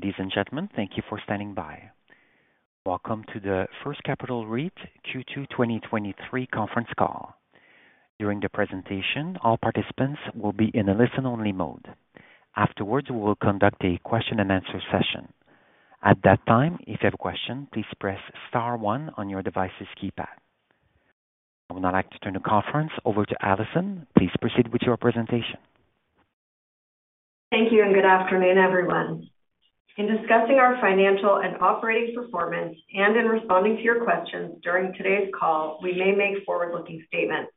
Ladies and gentlemen, thank you for standing by. Welcome to the First Capital REIT Q2 2023 conference call. During the presentation, all participants will be in a listen-only mode. Afterwards, we will conduct a question and answer session. At that time, if you have a question, please press star one on your device's keypad. I would now like to turn the conference over to Allison. Please proceed with your presentation. Thank you, and good afternoon, everyone. In discussing our financial and operating performance and in responding to your questions during today's call, we may make forward-looking statements.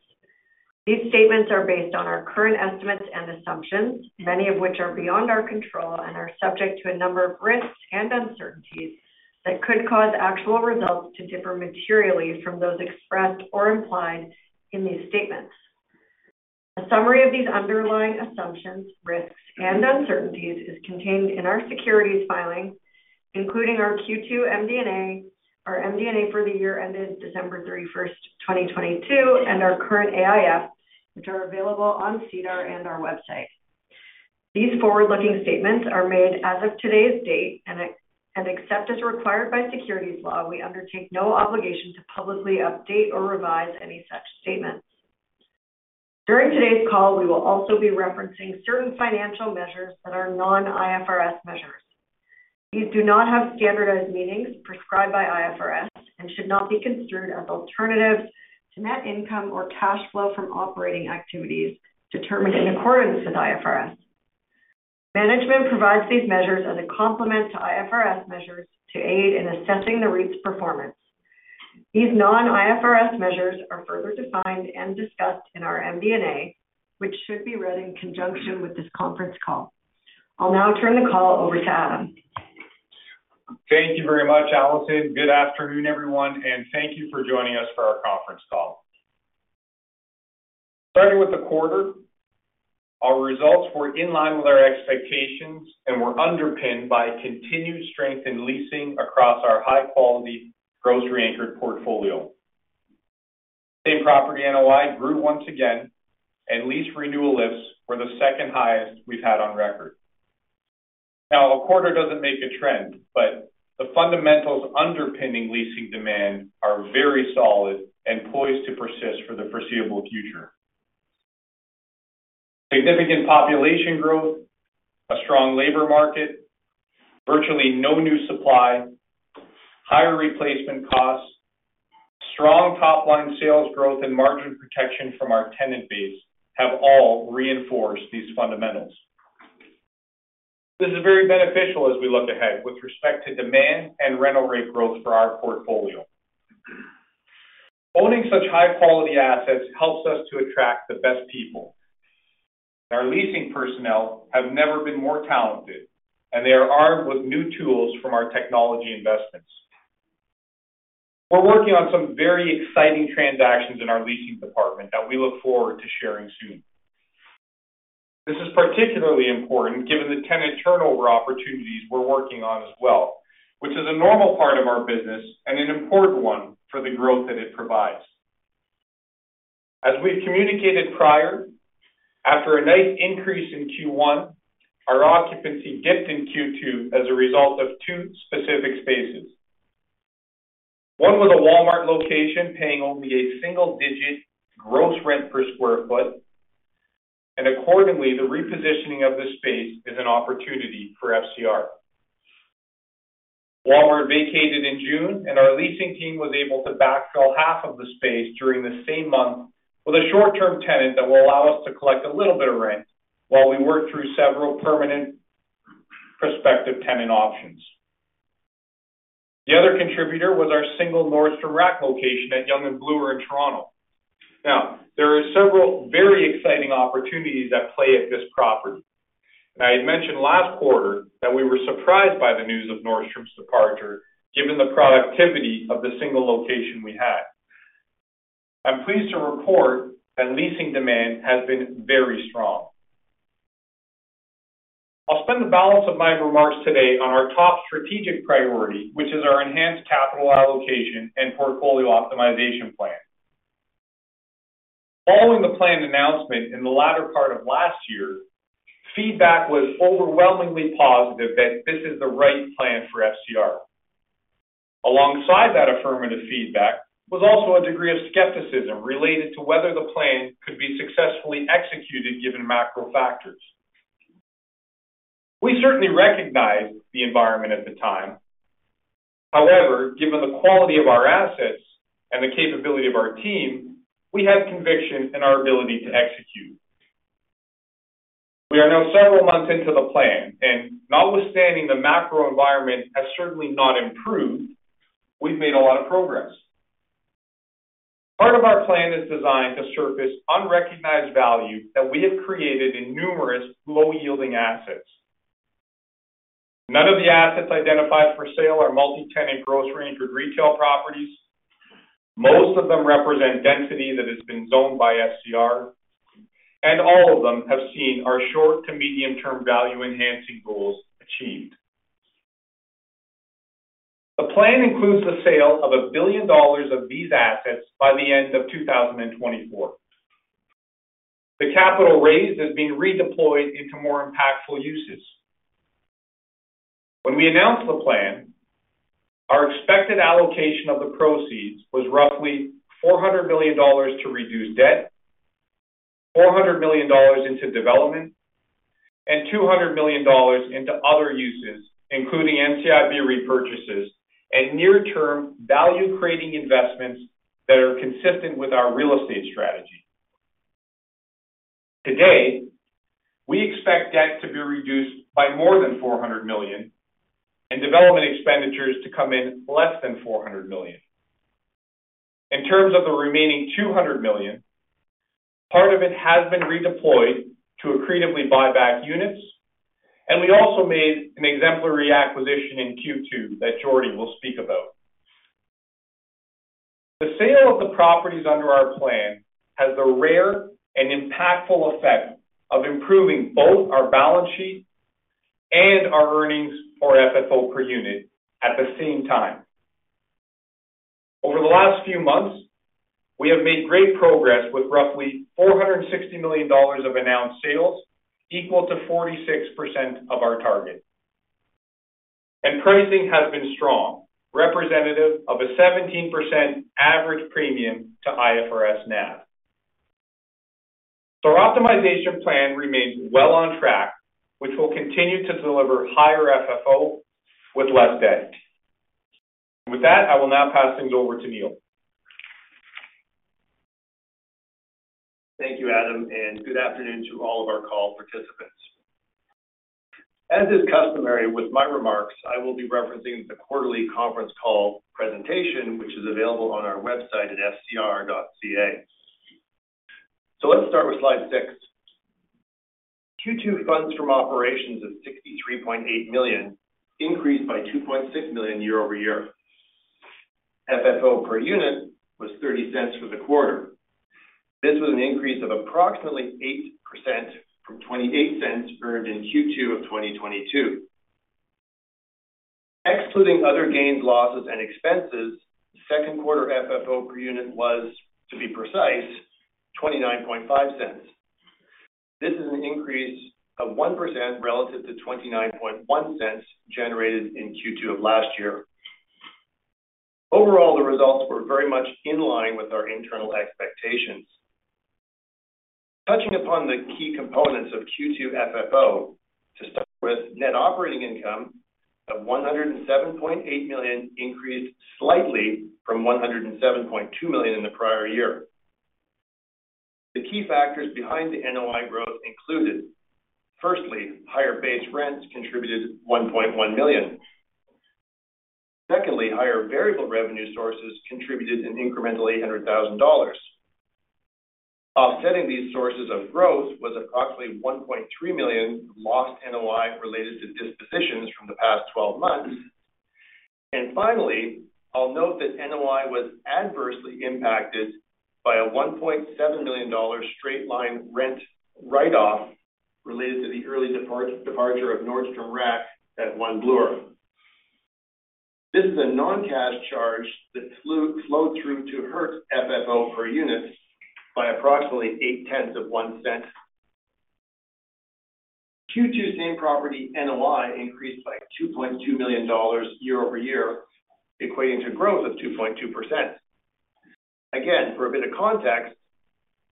These statements are based on our current estimates and assumptions, many of which are beyond our control and are subject to a number of risks and uncertainties that could cause actual results to differ materially from those expressed or implied in these statements. A summary of these underlying assumptions, risks, and uncertainties is contained in our securities filing, including our Q2 MD&A, our MD&A for the year ended December 31, 2022, and our current AIF, which are available on SEDAR and our website. These forward-looking statements are made as of today's date, and except as required by securities laws, we undertake no obligation to publicly update or revise any such statements. During today's call, we will also be referencing certain financial measures that are non-IFRS measures. These do not have standardized meanings prescribed by IFRS and should not be considered as alternatives to net income or cash flow from operating activities determined in accordance with IFRS. Management provides these measures as a complement to IFRS measures to aid in assessing the REIT's performance. These non-IFRS measures are further defined and discussed in our MD&A, which should be read in conjunction with this conference call. I'll now turn the call over to Adam. Thank you very much, Allison. Good afternoon, everyone, thank you for joining us for our conference call. Starting with the quarter, our results were in line with our expectations and were underpinned by continued strength in leasing across our high-quality grocery-anchored portfolio. Same property NOI grew once again, lease renewal lifts were the second highest we've had on record. A quarter doesn't make a trend, the fundamentals underpinning leasing demand are very solid and poised to persist for the foreseeable future. Significant population growth, a strong labor market, virtually no new supply, higher replacement costs, strong top-line sales growth, and margin protection from our tenant base have all reinforced these fundamentals. This is very beneficial as we look ahead with respect to demand and rental rate growth for our portfolio. Owning such high-quality assets helps us to attract the best people. Our leasing personnel have never been more talented, and they are armed with new tools from our technology investments. We're working on some very exciting transactions in our leasing department that we look forward to sharing soon. This is particularly important given the tenant turnover opportunities we're working on as well, which is a normal part of our business and an important one for the growth that it provides. As we've communicated prior, after a nice increase in Q1, our occupancy dipped in Q2 as a result of two specific spaces. One was a Walmart location paying only a single-digit gross rent per square foot, and accordingly, the repositioning of the space is an opportunity for FCR. Walmart vacated in June, and our leasing team was able to backfill half of the space during the same month with a short-term tenant that will allow us to collect a little bit of rent while we work through several permanent prospective tenant options. The other contributor was our single Nordstrom Rack location at Yonge and Bloor in Toronto. Now, there are several very exciting opportunities at play at this property. I had mentioned last quarter that we were surprised by the news of Nordstrom's departure, given the productivity of the single location we had. I'm pleased to report that leasing demand has been very strong. I'll spend the balance of my remarks today on our top strategic priority, which is our enhanced capital allocation and portfolio optimization plan. Following the plan announcement in the latter part of last year, feedback was overwhelmingly positive that this is the right plan for FCR. Alongside that affirmative feedback was also a degree of skepticism related to whether the plan could be successfully executed, given macro factors. We certainly recognized the environment at the time. However, given the quality of our assets and the capability of our team, we had conviction in our ability to execute. We are now several months into the plan, and notwithstanding, the macro environment has certainly not improved, we've made a lot of progress. Part of our plan is designed to surface unrecognized value that we have created in numerous low-yielding assets. None of the assets identified for sale are multi-tenant grocery-anchored retail properties. Most of them represent density that has been zoned by FCR. All of them have seen our short to medium-term value enhancing goals achieved. The plan includes the sale of 1 billion dollars of these assets by the end of 2024. The capital raised is being redeployed into more impactful uses. When we announced the plan, our expected allocation of the proceeds was roughly 400 million dollars to reduce debt, 400 million dollars into development, and 200 million dollars into other uses, including NCIB repurchases and near-term value-creating investments that are consistent with our real estate strategy. Today, we expect debt to be reduced by more than CAD 400 million. Development expenditures to come in less than 400 million. In terms of the remaining 200 million, part of it has been redeployed to accretively buy back units, and we also made an exemplary acquisition in Q2 that Jordie will speak about. The sale of the properties under our plan has the rare and impactful effect of improving both our balance sheet and our earnings for FFO per unit at the same time. Over the last few months, we have made great progress with roughly 460 million dollars of announced sales, equal to 46% of our target. Pricing has been strong, representative of a 17% average premium to IFRS NAV. Our optimization plan remains well on track, which will continue to deliver higher FFO with less debt. With that, I will now pass things over to Neil. Thank you, Adam, and good afternoon to all of our call participants. As is customary with my remarks, I will be referencing the quarterly conference call presentation, which is available on our website at fcr.ca. Let's start with slide six. Q2 funds from operations of 63.8 million increased by 2.6 million year-over-year. FFO per unit was 0.30 for the quarter. This was an increase of approximately 8% from 0.28 earned in Q2 of 2022. Excluding other gains, losses, and expenses, Q2 FFO per unit was, to be precise, 0.295. This is an increase of 1% relative to 0.291 generated in Q2 of last year. Overall, the results were very much in line with our internal expectations. Touching upon the key components of Q2 FFO, to start with, net operating income of 107.8 million increased slightly from 107.2 million in the prior year. The key factors behind the NOI growth included: firstly, higher base rents contributed 1.1 million. Secondly, higher variable revenue sources contributed an incremental 800,000 dollars. Offsetting these sources of growth was approximately 1.3 million lost NOI related to dispositions from the past 12 months. Finally, I'll note that NOI was adversely impacted by a 1.7 million dollar straight-line rent write-off related to the early departure of Nordstrom Rack at One Bloor. This is a non-cash charge that flowed through to hurt FFO per unit by approximately 0.008. Q2 same property NOI increased by 2.2 million dollars year-over-year, equating to growth of 2.2%. Again, for a bit of context,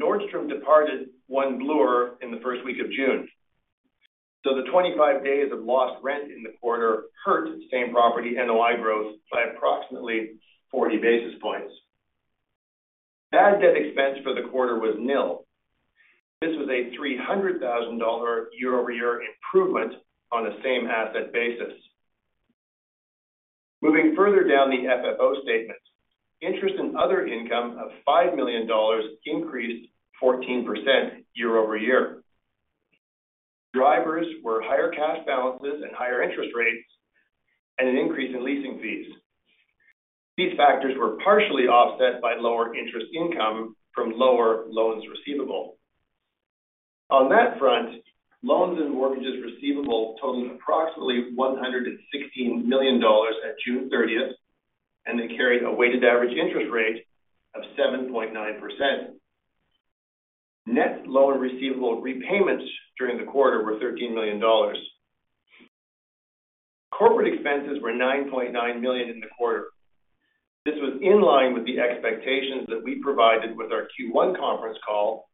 Nordstrom departed One Bloor in the first week of June. The 25 days of lost rent in the quarter hurt same-property NOI growth by approximately 40 basis points. Bad debt expense for the quarter was nil. This was a 300,000 dollar year-over-year improvement on a same asset basis. Moving further down the FFO statement, interest and other income of 5 million dollars increased 14% year-over-year. Drivers were higher cash balances and higher interest rates, and an increase in leasing fees. These factors were partially offset by lower interest income from lower loans receivable. On that front, loans and mortgages receivable totaled approximately 116 million dollars at June 30th. They carried a weighted average interest rate of 7.9%. Net loan receivable repayments during the quarter were 13 million dollars. Corporate expenses were 9.9 million in the quarter. This was in line with the expectations that we provided with our Q1 conference call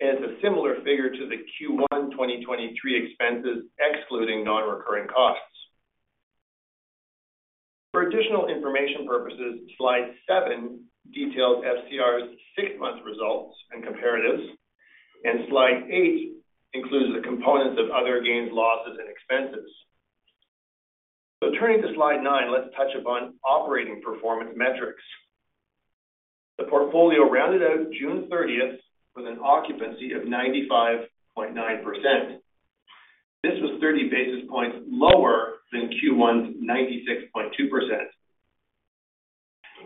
and is a similar figure to the Q1 2023 expenses, excluding non-recurring costs. For additional information purposes, slide seven details SCR's six-month results and comparatives. Slide eight includes the components of other gains, losses, and expenses. Turning to slide nine, let's touch upon operating performance metrics. The portfolio rounded out June 30th with an occupancy of 95.9%. This was 30 basis points lower than Q1's 96.2%.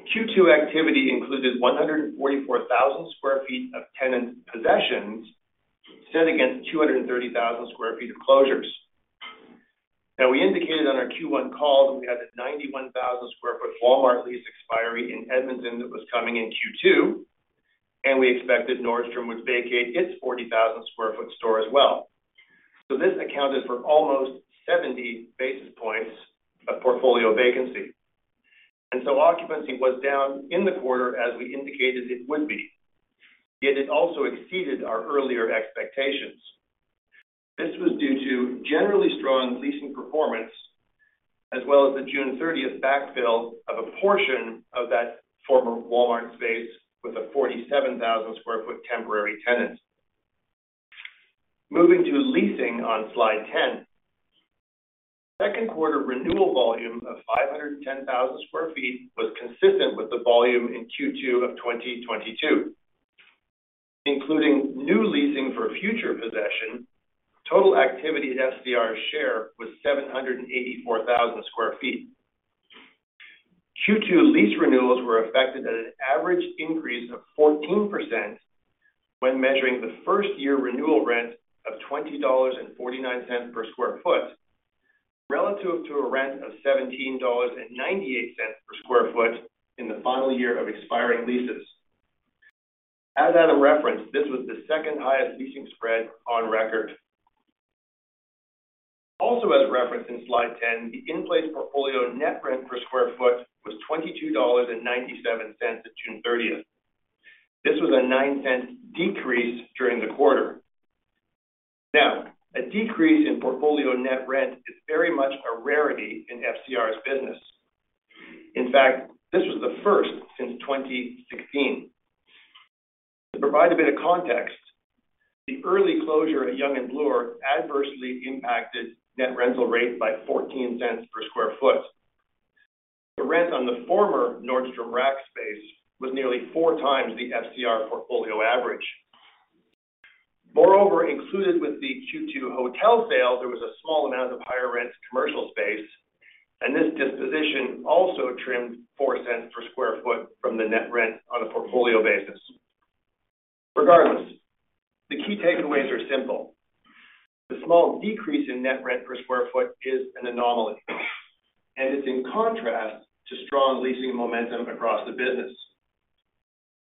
Q2 activity included 144,000 sq ft of tenant possessions set against 230,000 sq ft of closures. We indicated on our Q1 call that we had a 91,000 sq ft Walmart lease expiry in Edmonton that was coming in Q2, and we expected Nordstrom would vacate its 40,000 sq ft store as well. This accounted for almost 70 basis points of portfolio vacancy, occupancy was down in the quarter, as we indicated it would be. It also exceeded our earlier expectations. This was due to generally strong leasing performance, as well as the June 30th backfill of a portion of that former Walmart space with a 47,000 sq ft temporary tenant. Moving to leasing on slide 10. Q2 renewal volume of 510,000 sq ft was consistent with the volume in Q2 of 2022, including new leasing for future possession. Total activity at FCR's share was 784,000 sq ft. Q2 lease renewals were affected at an average increase of 14% when measuring the first year renewal rent of 20.49 dollars per sq ft, relative to a rent of 17.98 dollars per sq ft in the final year of expiring leases. As at a reference, this was the second highest leasing spread on record. As referenced in slide 10, the in-place portfolio net rent per sq ft was 22.97 dollars at June 30th. This was a 0.09 decrease during the quarter. A decrease in portfolio net rent is very much a rarity in FCR's business. In fact, this was the first since 2016. To provide a bit of context, the early closure of Yonge and Bloor adversely impacted net rental rate by 0.14 per sq ft. The rent on the former Nordstrom Rack space was nearly four times the FCR portfolio average. Moreover, included with the Q2 hotel sale, there was a small amount of higher rent commercial space, and this disposition also trimmed 0.04 per sq ft from the net rent on a portfolio basis. Regardless, the key takeaways are simple. The small decrease in net rent per square foot is an anomaly, and it's in contrast to strong leasing momentum across the business.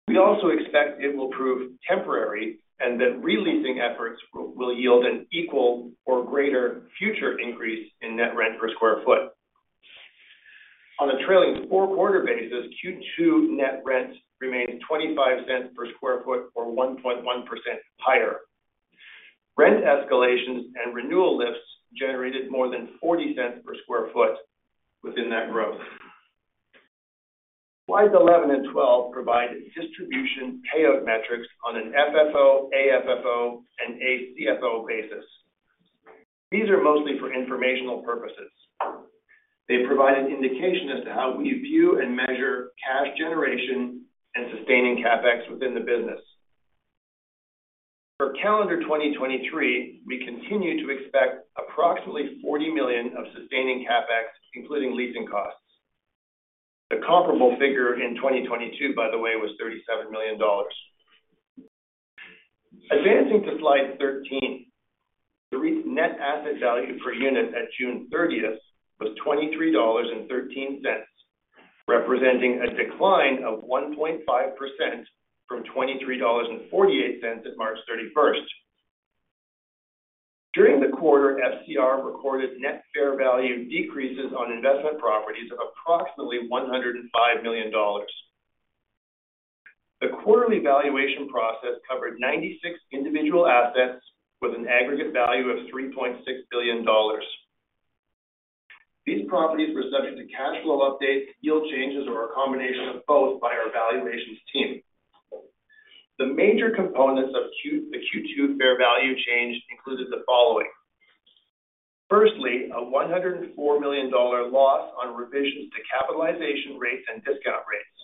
We also expect it will prove temporary and that re-leasing efforts will yield an equal or greater future increase in net rent per square foot. On a trailing four-quarter basis, Q2 net rent remained 0.25 per square foot or 1.1% higher. Rent escalations and renewal lifts generated more than 0.40 per square foot within that growth. Slides 11 and 12 provide distribution payout metrics on an FFO, AFFO, and ACFO basis. These are mostly for informational purposes. They provide an indication as to how we view and measure cash generation and sustaining CapEx within the business. For calendar 2023, we continue to expect approximately 40 million of sustaining CapEx, including leasing costs. The comparable figure in 2022, by the way, was 37 million dollars. Advancing to slide 13. Net asset value per unit at June 30 was 23.13 dollars, representing a decline of 1.5% from 23.48 dollars at March 31. During the quarter, FCR recorded net fair value decreases on investment properties of approximately 105 million dollars. The quarterly valuation process covered 96 individual assets with an aggregate value of 3.6 billion dollars. These properties were subject to cash flow updates, yield changes, or a combination of both by our valuations team. The major components of the Q2 fair value change included the following: firstly, a 104 million dollar loss on revisions to capitalization rates and discount rates.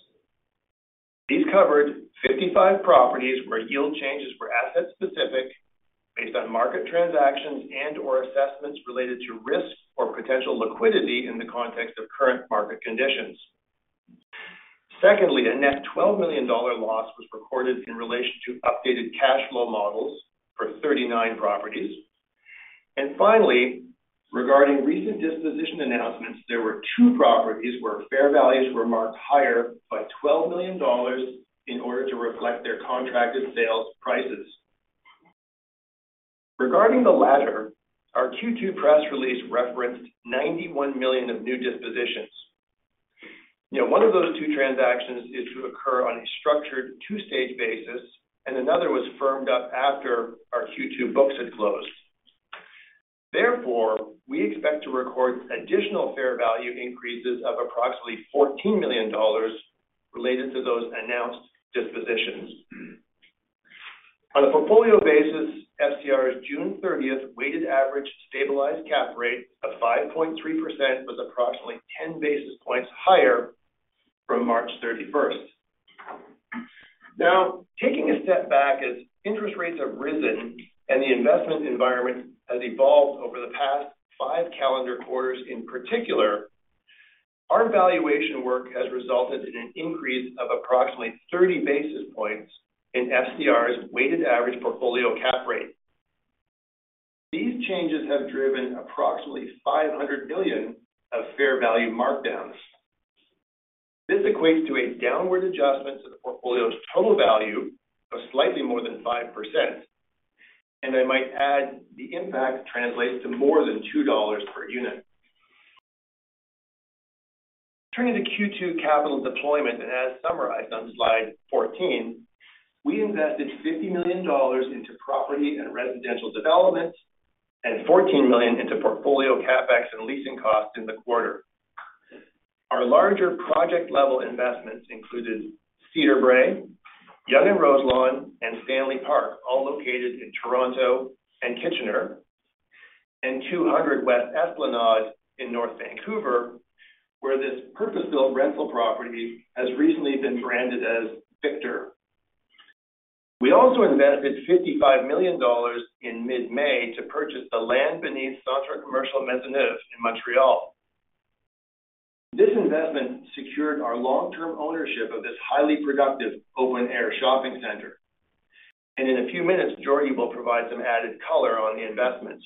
These covered 55 properties where yield changes were asset-specific based on market transactions and/or assessments related to risk or potential liquidity in the context of current market conditions. Secondly, a net 12 million dollar loss was recorded in relation to updated cash flow models for 39 properties. Finally, regarding recent disposition announcements, there were two properties where fair values were marked higher by $12 million in order to reflect their contracted sales prices. Regarding the latter, our Q2 press release referenced $91 million of new dispositions. You know, one of those two transactions is to occur on a structured two-stage basis, and another was firmed up after our Q2 books had closed. Therefore, we expect to record additional fair value increases of approximately $14 million related to those announced dispositions. On a portfolio basis, FCR's June 30th weighted average stabilized cap rate of 5.3% was approximately 10 basis points higher from March 31st. Now, taking a step back, as interest rates have risen and the investment environment has evolved over the past 5 calendar quarters in particular, our valuation work has resulted in an increase of approximately 30 basis points in FCR's weighted average portfolio cap rate. These changes have driven approximately $500 million of fair value markdowns. This equates to a downward adjustment to the portfolio's total value of slightly more than 5%. I might add, the impact translates to more than $2 per unit. Turning to Q2 capital deployment, as summarized on slide 14, we invested $50 million into property and residential development, and $14 million into portfolio CapEx and leasing costs in the quarter. Our larger project-level investments included Cedarbrae, Yonge and Roselawn, and Stanley Park, all located in Toronto and Kitchener, and 200 West Esplanade in North Vancouver, where this purpose-built rental property has recently been branded as Victor. We also invested 55 million dollars in mid-May to purchase the land beneath Centre Commercial Maisonneuve in Montreal. This investment secured our long-term ownership of this highly productive open-air shopping center. In a few minutes, Jordie will provide some added color on the investments.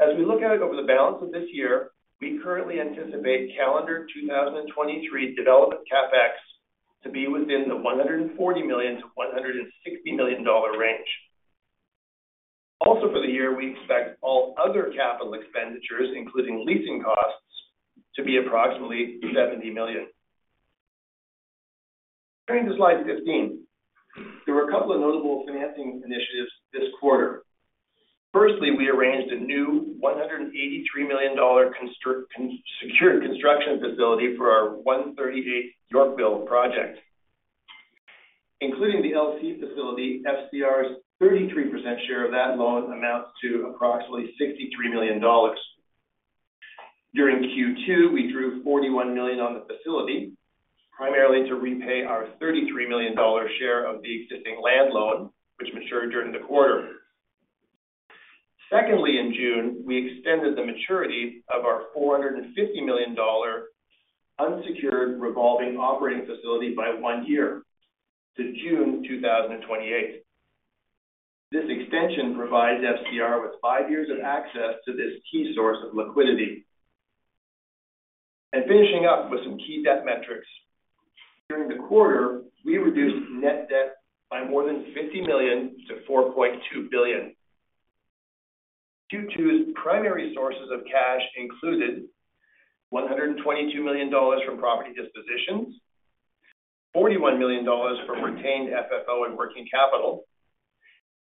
As we look out over the balance of this year, we currently anticipate calendar 2023 development CapEx to be within the 140 million-160 million dollar range. Also, for the year, we expect all other capital expenditures, including leasing costs, to be approximately 70 million. Turning to slide 15. There were a couple of notable financing initiatives this quarter. Firstly, we arranged a new 183 million dollar secured construction facility for our 138 Yorkville project. Including the LC facility, FCR's 33% share of that loan amounts to approximately 63 million dollars. During Q2, we drew 41 million on the facility, primarily to repay our 33 million dollar share of the existing land loan, which matured during the quarter. Secondly, in June, we extended the maturity of our 450 million dollar unsecured revolving operating facility by one year to June 2028. This extension provides FCR with five years of access to this key source of liquidity. Finishing up with some key debt metrics. During the quarter, we reduced net debt by more than 50 million to 4.2 billion. Q2's primary sources of cash included 122 million dollars from property dispositions, 41 million dollars from retained FFO and working capital,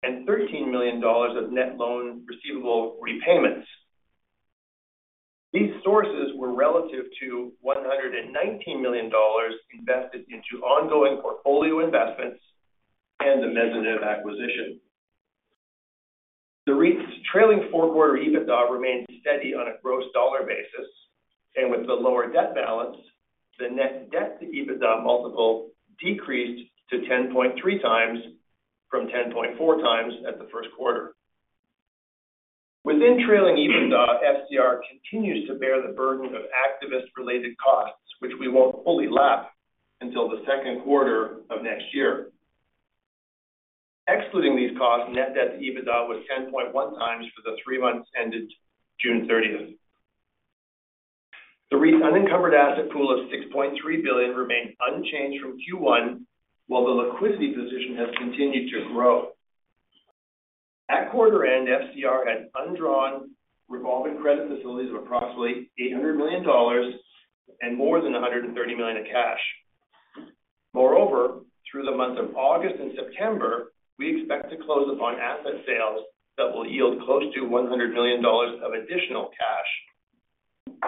and 13 million dollars of net loan receivable repayments. These sources were relative to 119 million dollars invested into ongoing portfolio investments and the Maisonneuve acquisition. Trailing four-quarter EBITDA remains steady on a gross dollar basis, and with the lower debt balance, the net debt to EBITDA multiple decreased to 10.3 times from 10.4 times at the Q1. Within trailing EBITDA, FCR continues to bear the burden of activist-related costs, which we won't fully lap until the Q2 of next year. Excluding these costs, net debt to EBITDA was 10.1 times for the three months ended June 30th. The REIT's unencumbered asset pool of 6.3 billion remained unchanged from Q1, while the liquidity position has continued to grow. At quarter end, FCR had undrawn revolving credit facilities of approximately 800 million dollars and more than 130 million in cash. Through the months of August and September, we expect to close upon asset sales that will yield close to 100 million dollars of additional cash.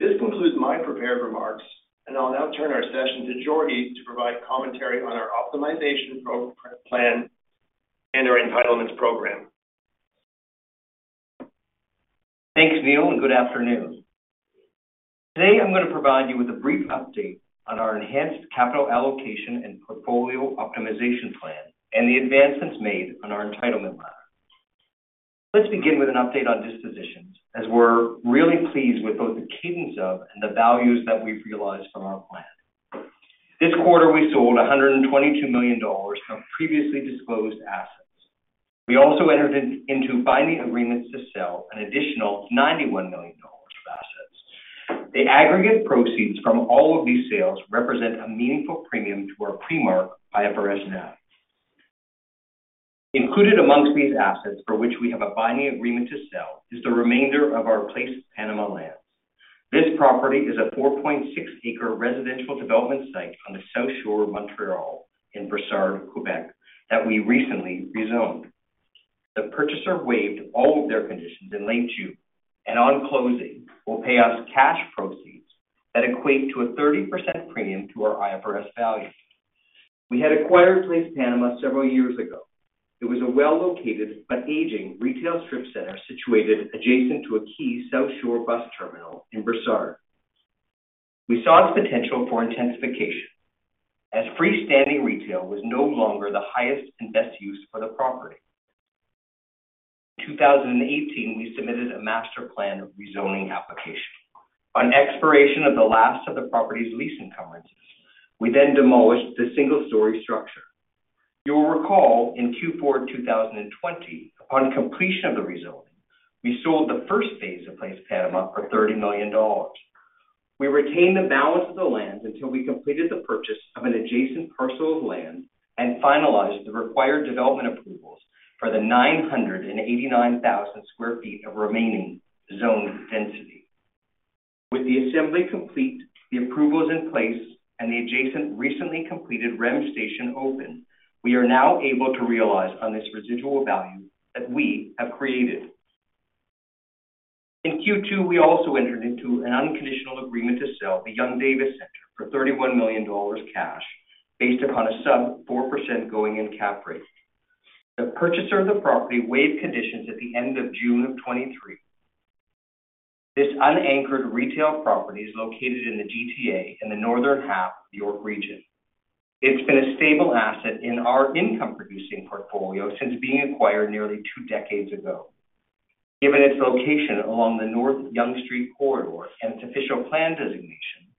This concludes my prepared remarks. I'll now turn our session to Jordie to provide commentary on our optimization program plan and our entitlements program. Thanks, Neil. Good afternoon. Today, I'm going to provide you with a brief update on our enhanced capital allocation and portfolio optimization plan and the advancements made on our entitlement plan. Let's begin with an update on dispositions, as we're really pleased with both the cadence of and the values that we've realized from our plan. This quarter, we sold 122 million dollars from previously disclosed assets. We also entered into binding agreements to sell an additional 91 million dollars of assets. The aggregate proceeds from all of these sales represent a meaningful premium to our pre-mark IFRS value. Included amongst these assets for which we have a binding agreement to sell is the remainder of our Place Panama lands. This property is a 4.6-acre residential development site on the south shore of Montreal in Brossard, Quebec, that we recently rezoned. The purchaser waived all of their conditions in late June. On closing, will pay us cash proceeds that equate to a 30% premium to our IFRS value. We had acquired Place Panama several years ago. It was a well-located but aging retail strip center situated adjacent to a key South Shore bus terminal in Brossard. We saw its potential for intensification, as freestanding retail was no longer the highest and best use for the property. In 2018, we submitted a master plan of rezoning application. On expiration of the last of the property's lease encumbrances, we then demolished the single-story structure. You will recall, in Q4 2020, upon completion of the rezoning, we sold the first phase of Place Panama for 30 million dollars. We retained the balance of the lands until we completed the purchase of an adjacent parcel of land and finalized the required development approvals for the 989,000 sq ft of remaining zoned density. With the assembly complete, the approvals in place, and the adjacent recently completed REM station open, we are now able to realize on this residual value that we have created. In Q2, we also entered into an unconditional agreement to sell the Yonge-Davis Center for 31 million dollars cash, based upon a sub 4% going-in cap rate. The purchaser of the property waived conditions at the end of June of 2023. This unanchored retail property is located in the GTA in the northern half York region. It's been a stable asset in our income-producing portfolio since being acquired nearly two decades ago. Given its location along the North Yonge Street Corridor and its official plan designation,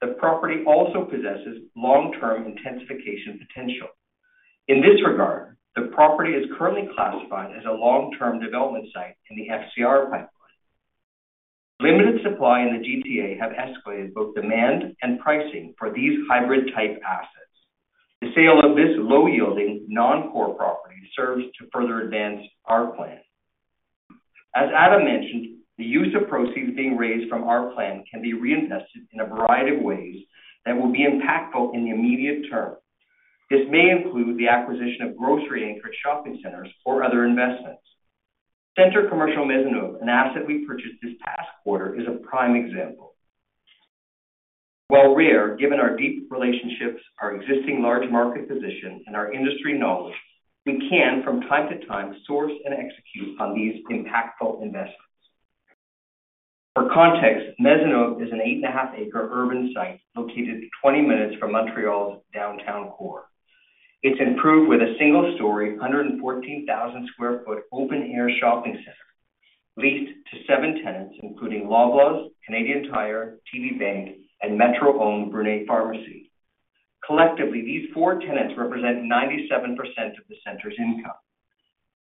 the property also possesses long-term intensification potential. In this regard, the property is currently classified as a long-term development site in the FCR pipeline. Limited supply in the GTA have escalated both demand and pricing for these hybrid-type assets. The sale of this low-yielding, non-core property serves to further advance our plan. As Adam mentioned, the use of proceeds being raised from our plan can be reinvested in a variety of ways that will be impactful in the immediate term. This may include the acquisition of grocery-anchored shopping centers or other investments. Centre Commercial Maisonneuve, an asset we purchased this past quarter, is a prime example. While rare, given our deep relationships, our existing large market position, and our industry knowledge, we can, from time to time, source and execute on these impactful investments. For context, Maisonneuve is an 8.5 acres urban site located 20 minutes from Montreal's downtown core. It's improved with a single-story, 114,000 sq ft open-air shopping center, leased to 7 tenants, including Loblaws, Canadian Tire, TD Bank, and Metro-owned Brunet Pharmacy. Collectively, these 4 tenants represent 97% of the center's income.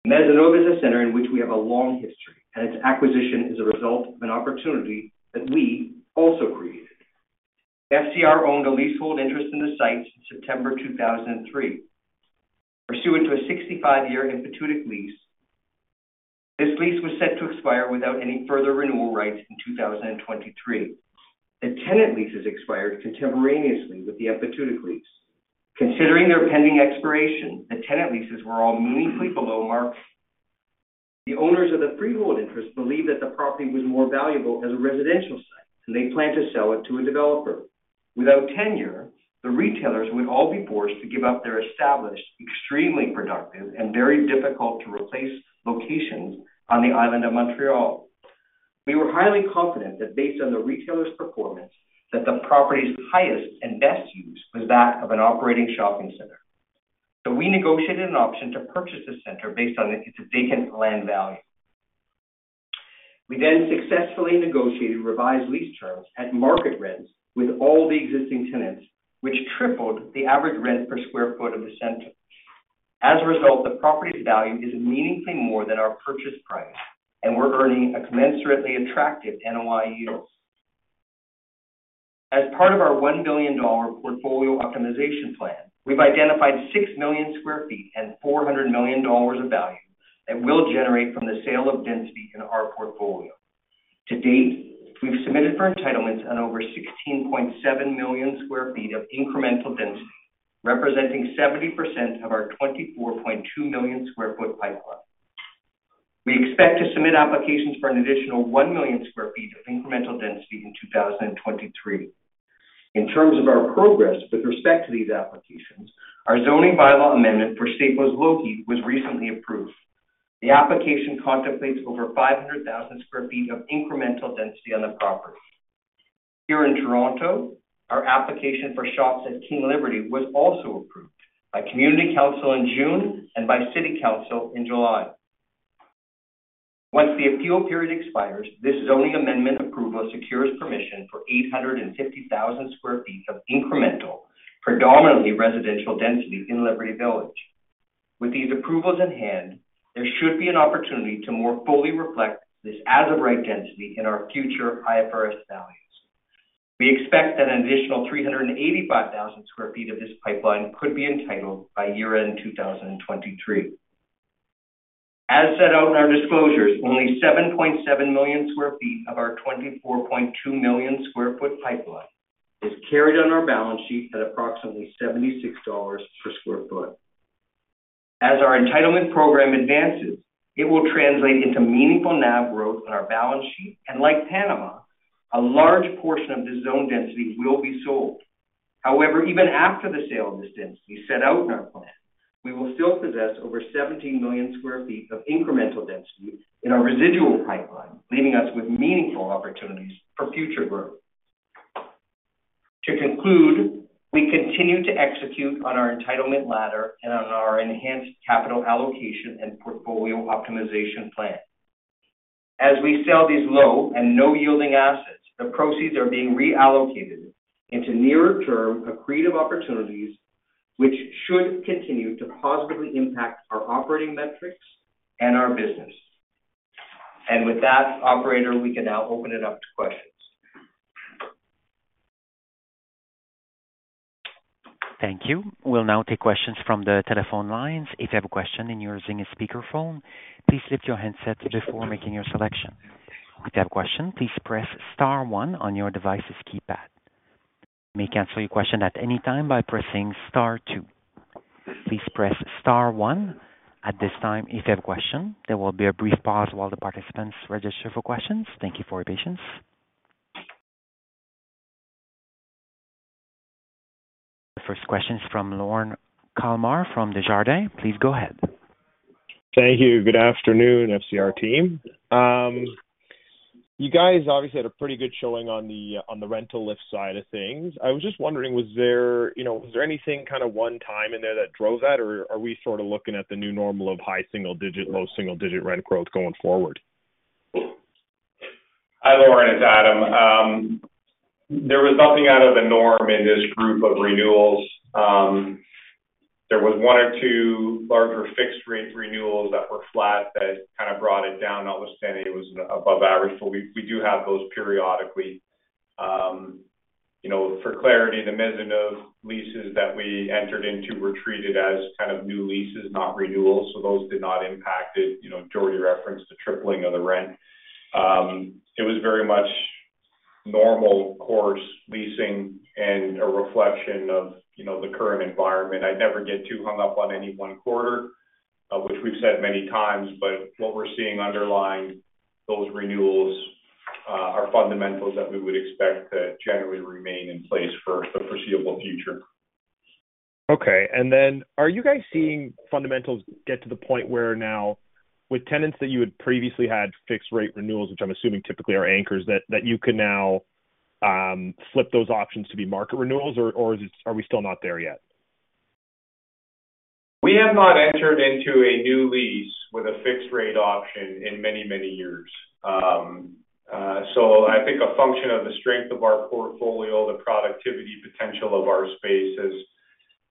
Maisonneuve is a center in which we have a long history, and its acquisition is a result of an opportunity that we also created. FCR owned a leasehold interest in the site since September 2003, pursuant to a 65-year emphyteutic lease. This lease was set to expire without any further renewal rights in 2023. The tenant leases expired contemporaneously with the emphyteutic lease. Considering their pending expiration, the tenant leases were all meaningfully below market. The owners of the freehold interest believed that the property was more valuable as a residential site, so they planned to sell it to a developer. Without tenure, the retailers would all be forced to give up their established, extremely productive, and very difficult to replace locations on the island of Montreal. We were highly confident that based on the retailers' performance, that the property's highest and best use was that of an operating shopping center. We negotiated an option to purchase the center based on its vacant land value. We successfully negotiated revised lease terms at market rents with all the existing tenants, which tripled the average rent per square foot of the center. As a result, the property's value is meaningfully more than our purchase price, and we're earning a commensurately attractive NOI yield. As part of our $1 billion Portfolio Optimization Plan, we've identified 6 million sq ft and $400 million of value that we'll generate from the sale of density in our portfolio. To date, we've submitted for entitlements on over 16.7 million sq ft of incremental density, representing 70% of our 24.2 million sq ft pipeline. We expect to submit applications for an additional 1 million sq ft of incremental density in 2023. In terms of our progress with respect to these applications, our zoning bylaw amendment for Staples Loki was recently approved. The application contemplates over 500,000 sq ft of incremental density on the property. Here in Toronto, our application for Shops at King Liberty was also approved by Community Council in June and by City Council in July. Once the appeal period expires, this zoning amendment approval secures permission for 850,000 sq ft of incremental, predominantly residential density in Liberty Village. With these approvals in hand, there should be an opportunity to more fully reflect this as-of-right density in our future IFRS values. We expect that an additional 385,000 sq ft of this pipeline could be entitled by year-end in 2023. As set out in our disclosures, only 7.7 million sq ft of our 24.2 million sq ft pipeline is carried on our balance sheet at approximately 76 dollars per sq ft. As our entitlement program advances, it will translate into meaningful NAV growth on our balance sheet, and like Panama, a large portion of this zoned density will be sold.... However, even after the sale of this density set out in our plan, we will still possess over 17 million sq ft of incremental density in our residual pipeline, leaving us with meaningful opportunities for future growth. To conclude, we continue to execute on our entitlement ladder and on our enhanced capital allocation and portfolio optimization plan. As we sell these low and no yielding assets, the proceeds are being reallocated into nearer-term accretive opportunities, which should continue to positively impact our operating metrics and our business. And with that, operator, we can now open it up to questions. Thank you. We'll now take questions from the telephone lines. If you have a question and you're using a speakerphone, please lift your handset before making your selection. If you have a question, please press star one on your device's keypad. You may cancel your question at any time by pressing star two. Please press star one at this time if you have a question. There will be a brief pause while the participants register for questions. Thank you for your patience. The first question is from Lauren Kalmar from Desjardins. Please go ahead. Thank you. Good afternoon, FCR team. You guys obviously had a pretty good showing on the, on the rental lift side of things. I was just wondering, was there, you know, was there anything kind of one time in there that drove that, or are we sort of looking at the new normal of high single digit, low single digit rent growth going forward? Hi, Lauren, it's Adam. There was nothing out of the norm in this group of renewals. There was one or two larger fixed-rate renewals that were flat that kind of brought it down, notwithstanding it was above average. We, we do have those periodically. You know, for clarity, the mezzanine leases that we entered into were treated as kind of new leases, not renewals, so those did not impact it. You know, George referenced the tripling of the rent. It was very much normal course leasing and a reflection of, you know, the current environment. I never get too hung up on any one quarter, which we've said many times, but what we're seeing underlying those renewals, are fundamentals that we would expect to generally remain in place for the foreseeable future. Okay. Then are you guys seeing fundamentals get to the point where now with tenants that you had previously had fixed-rate renewals, which I'm assuming typically are anchors, that, that you can now flip those options to be market renewals, or, or is it, are we still not there yet? We have not entered into a new lease with a fixed-rate option in many, many years. I think a function of the strength of our portfolio, the productivity potential of our spaces,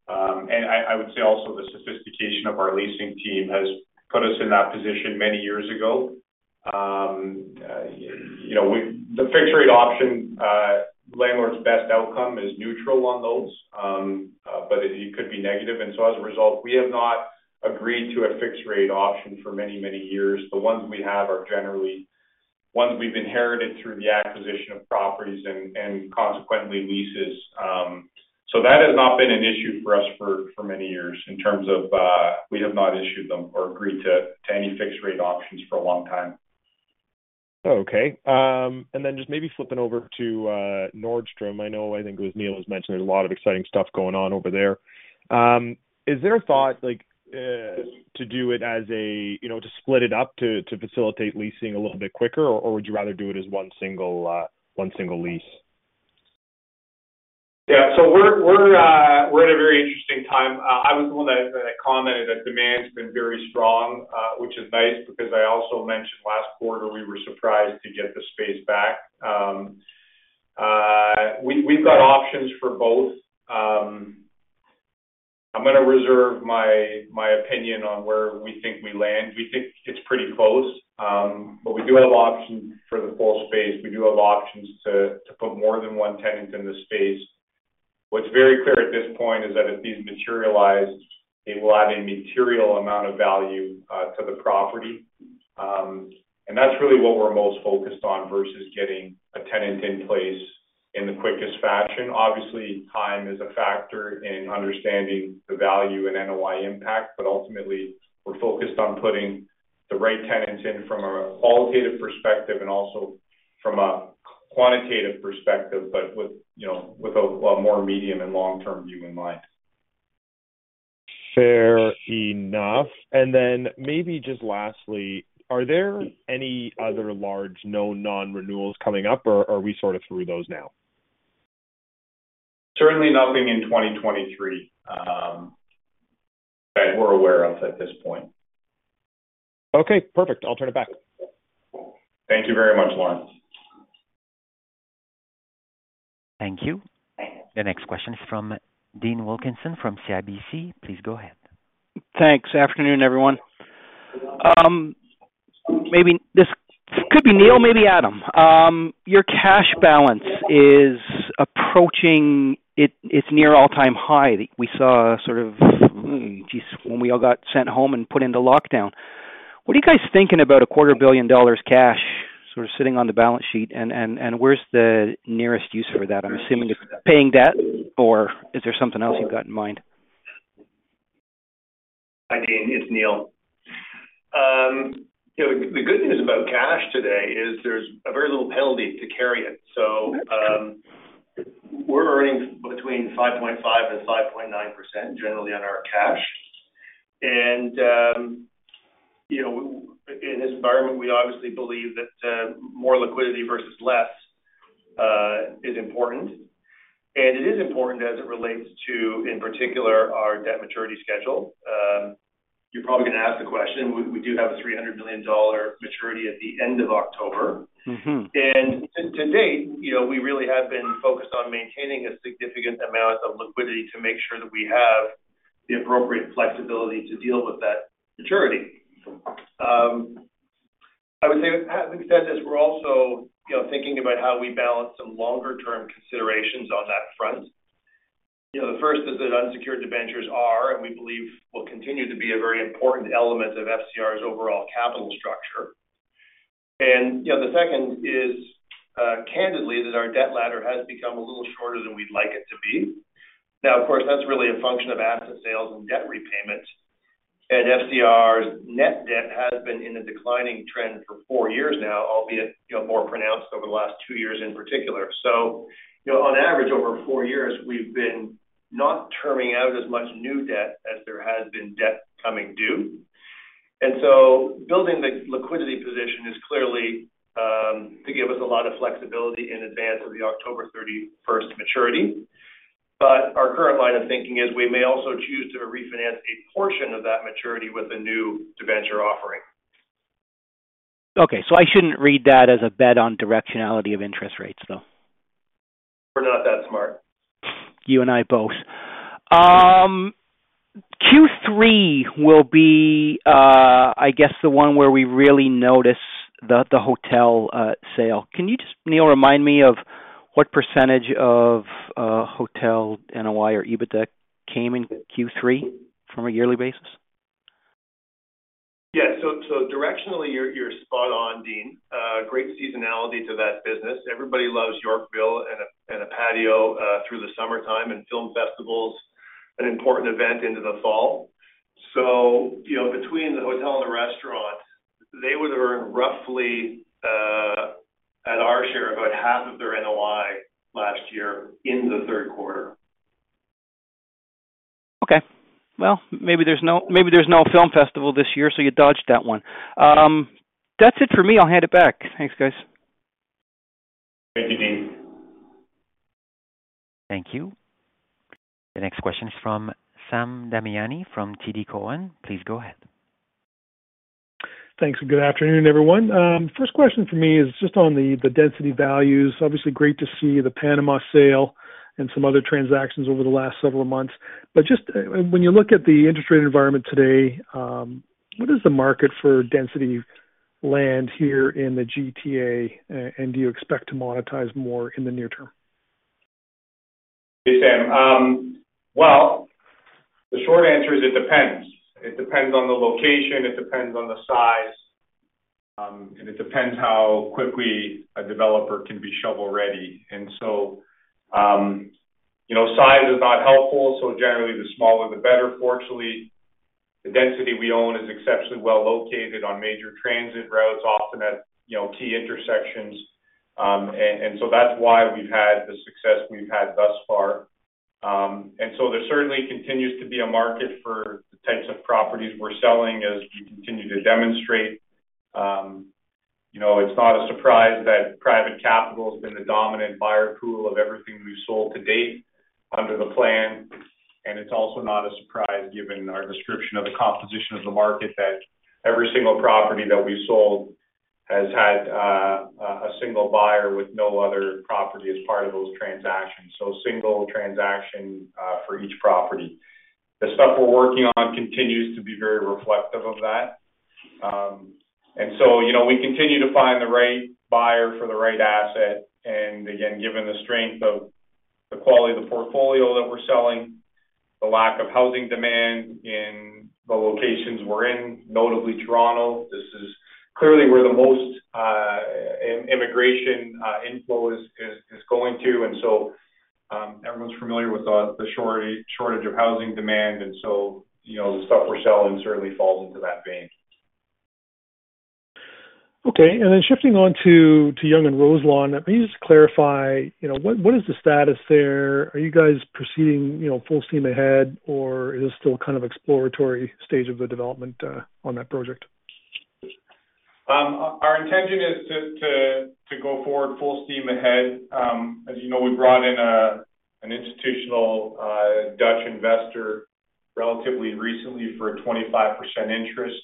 and I, I would say also the sophistication of our leasing team has put us in that position many years ago. You know, we-- the fixed-rate option, landlord's best outcome is neutral on those, but it could be negative. As a result, we have not agreed to a fixed-rate option for many, many years. The ones we have are generally ones we've inherited through the acquisition of properties and, and consequently, leases. That has not been an issue for us for, for many years in terms of, we have not issued them or agreed to, to any fixed-rate options for a long time. Okay. Just maybe flipping over to Nordstrom. I know, I think as Neil has mentioned, there's a lot of exciting stuff going on over there. Is there a thought, like, to do it as a, you know, to split it up to, to facilitate leasing a little bit quicker, or, or would you rather do it as one single, one single lease? Yeah. We're, we're, we're at a very interesting time. I was the one that, that commented that demand's been very strong, which is nice because I also mentioned last quarter, we were surprised to get the space back. We, we've got options for both. I'm going to reserve my, my opinion on where we think we land. We think it's pretty close, but we do have options for the full space. We do have options to, to put more than one tenant in the space. What's very clear at this point is that if these materialize, it will add a material amount of value to the property. That's really what we're most focused on versus getting a tenant in place in the quickest fashion. Obviously, time is a factor in understanding the value and NOI impact, but ultimately, we're focused on putting the right tenants in from a qualitative perspective and also from a quantitative perspective, but with, you know, with a, a more medium and long-term view in mind. Fair enough. Maybe just lastly, are there any other large known non-renewals coming up, or are we sort of through those now? Certainly nothing in 2023, that we're aware of at this point. Okay, perfect. I'll turn it back. Thank you very much, Lauren. Thank you. The next question is from Dean Wilkinson from CIBC. Please go ahead. Thanks. Afternoon, everyone. Maybe this could be Neil, maybe Adam. Your cash balance is approaching its near all-time high. We saw sort of, geez, when we all got sent home and put into lockdown. What are you guys thinking about 250 million dollars cash sort of sitting on the balance sheet, and, and, and where's the nearest use for that? I'm assuming it's paying debt, or is there something else you've got in mind? Hi, Dean, it's Neil. You know, the, the good news about cash today is there's a very little penalty to carry it. We're earning between 5.5% and 5.9%, generally on our cash. You know, in this environment, we obviously believe that more liquidity versus less is important. It is important as it relates to, in particular, our debt maturity schedule. You're probably going to ask the question, we, we do have a 300 million dollar maturity at the end of October. Mm-hmm. To, to date, you know, we really have been focused on maintaining a significant amount of liquidity to make sure that we have the appropriate flexibility to deal with that maturity. I would say, having said this, we're also, you know, thinking about how we balance some longer term considerations on that front. You know, the first is that unsecured debentures are, and we believe will continue to be, a very important element of FCR's overall capital structure. You know, the second is candidly, that our debt ladder has become a little shorter than we'd like it to be. Of course, that's really a function of asset sales and debt repayments, and FCR's net debt has been in a declining trend for four years now, albeit, you know, more pronounced over the last two years in particular. You know, on average, over four years, we've been not turning out as much new debt as there has been debt coming due. Building the liquidity position is clearly to give us a lot of flexibility in advance of the October 31st maturity. Our current line of thinking is we may also choose to refinance a portion of that maturity with a new debenture offering. Okay, I shouldn't read that as a bet on directionality of interest rates, though? We're not that smart. You and I both. Q3 will be, I guess, the one where we really notice the, the hotel, sale. Can you just, Neil, remind me of what % of hotel NOI or EBITDA came in Q3 from a yearly basis? Yeah. So directionally, you're, you're spot on, Dean. Great seasonality to that business. Everybody loves Yorkville and a, and a patio through the summertime and film festivals, an important event into the fall. You know, between the hotel and the restaurant, they would earn roughly at our share, about 0.5 of their NOI last year in the Q3. Okay. Well, maybe there's no, maybe there's no film festival this year, so you dodged that one. That's it for me. I'll hand it back. Thanks, guys. Thank you, Dean. Thank you. The next question is from Sam Damiani from TD Cowen. Please go ahead. Thanks, good afternoon, everyone. First question for me is just on the, the density values. Obviously, great to see the Panama sale and some other transactions over the last several months. Just, when you look at the interest rate environment today, what is the market for density land here in the GTA? Do you expect to monetize more in the near term? Hey, Sam. Well, the short answer is it depends. It depends on the location, it depends on the size, and it depends how quickly a developer can be shovel-ready. You know, size is not helpful, so generally, the smaller, the better. Fortunately, the density we own is exceptionally well located on major transit routes, often at, you know, key intersections. That's why we've had the success we've had thus far. There certainly continues to be a market for the types of properties we're selling as we continue to demonstrate. You know, it's not a surprise that private capital has been the dominant buyer pool of everything we've sold to date under the plan. It's also not a surprise, given our description of the composition of the market, that every single property that we sold has had a single buyer with no other property as part of those transactions. Single transaction for each property. The stuff we're working on continues to be very reflective of that. You know, we continue to find the right buyer for the right asset, and again, given the strength of the quality of the portfolio that we're selling, the lack of housing demand in the locations we're in, notably Toronto, this is clearly where the most immigration inflow is, is, is going to. Everyone's familiar with the shortage of housing demand, and so, you know, the stuff we're selling certainly falls into that vein. Okay. Then shifting on to, to Yonge and Roselawn, may you just clarify, you know, what, what is the status there? Are you guys proceeding, you know, full steam ahead, or is it still kind of exploratory stage of the development, on that project? Our intention is to go forward full steam ahead. As you know, we brought in an institutional Dutch investor relatively recently for a 25% interest.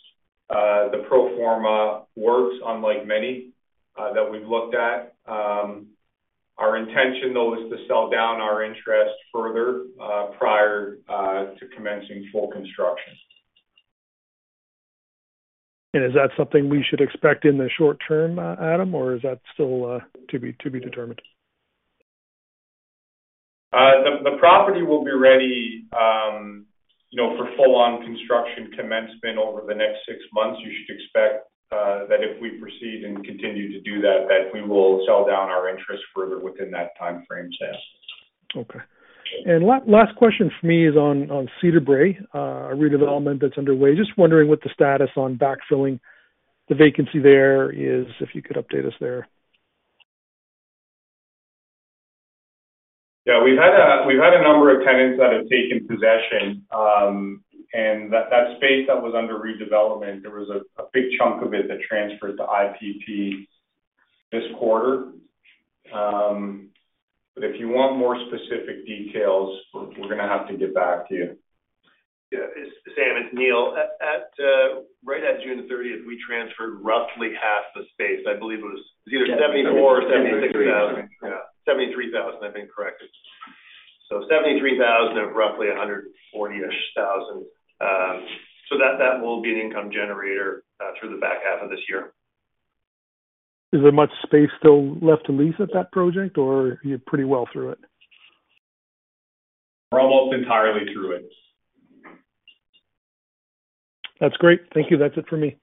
The pro forma works unlike many that we've looked at. Our intention, though, is to sell down our interest further prior to commencing full construction. Is that something we should expect in the short term, Adam, or is that still to be, to be determined? The, the property will be ready, you know, for full-on construction commencement over the next six months. You should expect that if we proceed and continue to do that, that we will sell down our interest further within that timeframe, Sam. Okay. Last question for me is on Cedarbrae, a redevelopment that's underway. Just wondering what the status on backfilling the vacancy there is, if you could update us there? Yeah, we've had a number of tenants that have taken possession. That space that was under redevelopment, there was a big chunk of it that transferred to IPP this quarter. If you want more specific details, we're gonna have to get back to you. Yeah, it's Sam, it's Neil. At right at June 30th, we transferred roughly half the space. I believe it was either 74,000 or 76,000. Yeah, 73,000, I think, correct. 73,000 of roughly 140,000-ish. So that, that will be an income generator through the back half of this year. Is there much space still left to lease at that project, or are you pretty well through it? We're almost entirely through it. That's great. Thank you. That's it for me.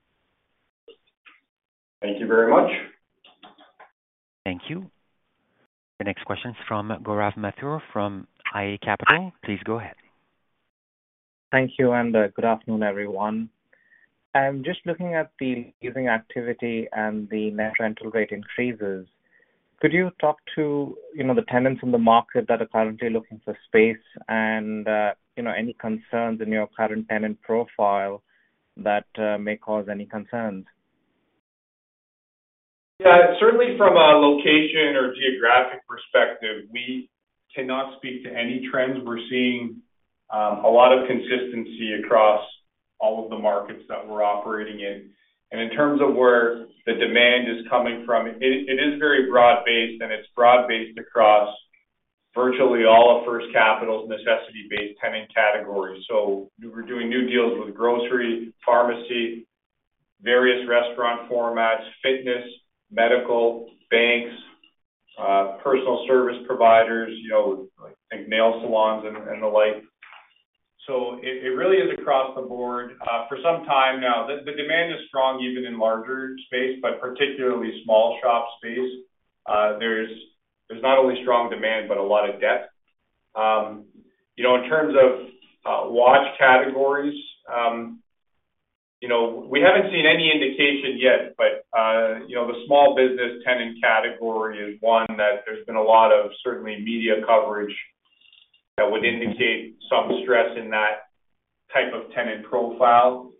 Thank you very much. Thank you. The next question is from Gaurav Mathur, from IA Capital. Please go ahead. Thank you, and good afternoon, everyone. I'm just looking at the leasing activity and the net rental rate increases. Could you talk to, you know, the tenants in the market that are currently looking for space and, you know, any concerns in your current tenant profile that may cause any concerns? Yeah, certainly from a location or geographic perspective, we cannot speak to any trends. We're seeing a lot of consistency across all of the markets that we're operating in. In terms of where the demand is coming from, it, it is very broad-based, and it's broad-based across virtually all of First Capital's necessity-based tenant categories. We're doing new deals with grocery, pharmacy, various restaurant formats, fitness, medical, banks, personal service providers, you know, like nail salons and, and the like. It, it really is across the board. For some time now, the, the demand is strong, even in larger space, but particularly small shop space. There's, there's not only strong demand, but a lot of depth. You know, in terms of, you know, watch categories, you know, we haven't seen any indication yet. The small business tenant category is one that there's been a lot of, certainly, media coverage that would indicate some stress in that type of tenant profile.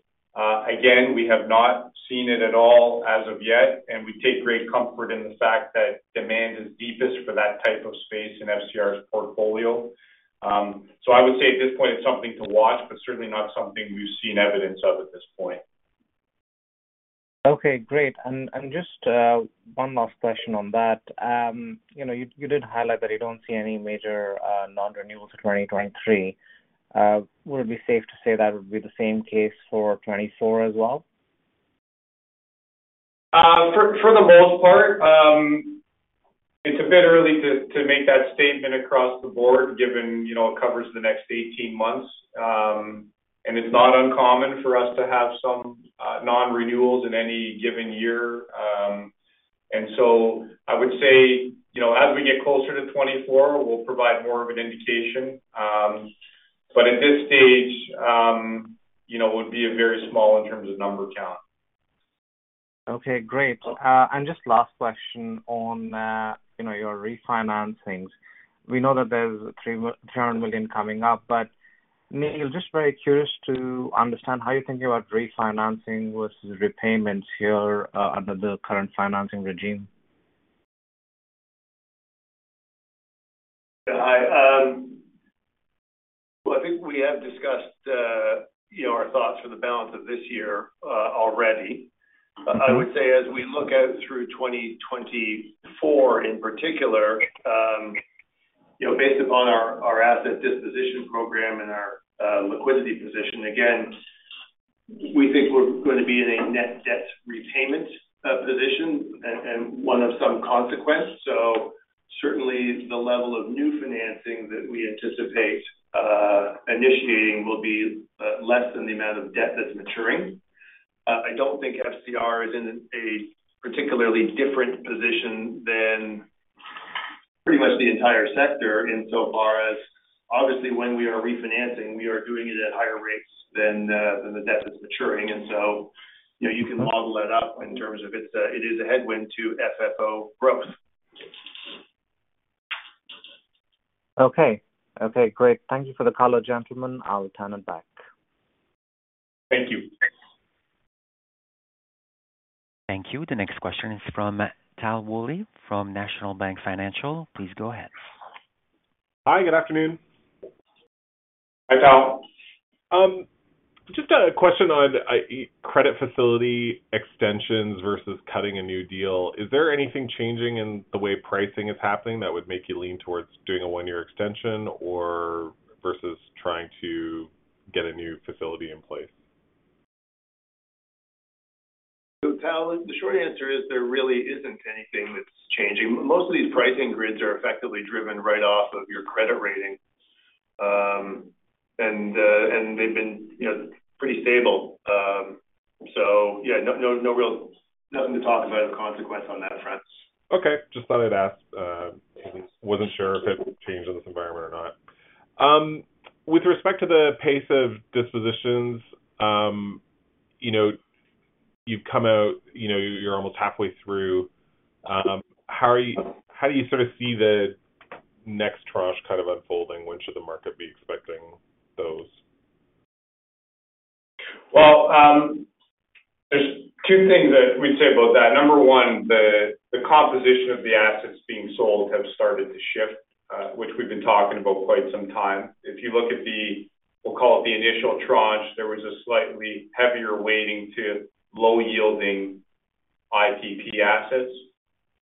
Again, we have not seen it at all as of yet. We take great comfort in the fact that demand is deepest for that type of space in FCR's portfolio. I would say at this point, it's something to watch, but certainly not something we've seen evidence of at this point. Okay, great. Just one last question on that. You know, you, you did highlight that you don't see any major non-renewals in 2023. Would it be safe to say that would be the same case for 2024 as well? For, for the most part, it's a bit early to, to make that statement across the board, given, you know, it covers the next 18 months. It's not uncommon for us to have some non-renewals in any given year. I would say, you know, as we get closer to 2024, we'll provide more of an indication. At this stage, you know, it would be a very small in terms of number count. Okay, great. Just last question on, you know, your refinancings. We know that there's 300 million coming up, but Neil, just very curious to understand how you're thinking about refinancing versus repayments here, under the current financing regime? Hi. well, I think we have discussed, you know, our thoughts for the balance of this year, already. Mm-hmm. I would say as we look out through 2024, in particular, you know, based upon our, our asset disposition program and our liquidity position, again, we think we're going to be in a net debt repayment position and, and one of some consequence. Certainly, the level of new financing that we anticipate initiating will be less than the amount of debt that's maturing. I don't think FCR is in a particularly different position than pretty much the entire sector, insofar as obviously, when we are refinancing, we are doing it at higher rates than the debt that's maturing. You know, you can model that out in terms of it is a headwind to FFO growth. Okay. Okay, great. Thank you for the color, gentlemen. I'll turn it back. Thank you. Thank you. The next question is from Tal Woolley, from National Bank Financial. Please go ahead. Hi, good afternoon. Hi, Tal. Just a question on credit facility extensions versus cutting a new deal. Is there anything changing in the way pricing is happening that would make you lean towards doing a one-year extension or versus trying to get a new facility in place? Tal, the short answer is there really isn't anything that's changing. Most of these pricing grids are effectively driven right off of your credit rating, and they've been, you know, pretty stable. Yeah, no, no, nothing to talk about as a consequence on that front. Okay. Just thought I'd ask, wasn't sure if it changed in this environment or not. With respect to the pace of dispositions, you know, you've come out, you know, you're almost halfway through. How do you sort of see the next tranche kind of unfolding? When should the market be expecting those? Well, there's 2 things that we'd say about that. Number 1, the, the composition of the assets being sold have started to shift, which we've been talking about quite some time. If you look at the, we'll call it the initial tranche, there was a slightly heavier weighting to low-yielding ITP assets.